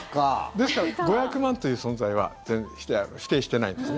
ですから５００万という存在は否定してないですね。